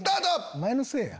お前のせいや。